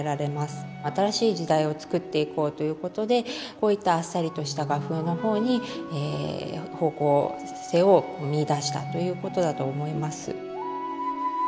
新しい時代をつくっていこうということでこういったあっさりとした画風の方に方向性を見いだしたということだと思います。